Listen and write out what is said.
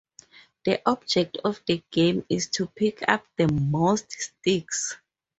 The object of the game is to pick up the most sticks.